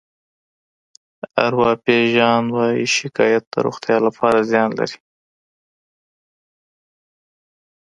ارواپيژان وايي شکایت د روغتیا لپاره زیان لري.